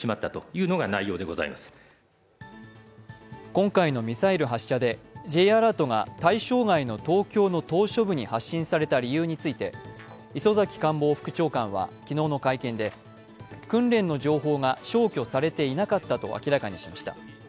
今回のミサイル発射でＪアラートが対象外の東京の島しょ部に発信された理由について磯崎官房副長官は昨日の会見で訓練の情報が消去されていなかったと明らかにしました。